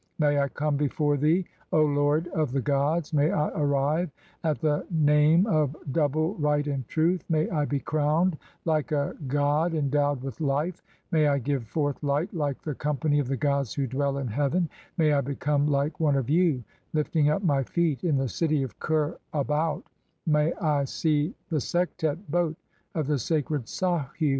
May I "come before thee, O lord of the gods ; may I arrive at the nome "of Double Right and Truth ; may I be crowned 2 like a god "endowed with life ; may I give forth light like the company "of the gods who dwell in heaven ; may I become (18) like "one of you, lifting up [my] feet in the city of Kher abaut ; may "I see the Sektet boat of the sacred Sahu (i.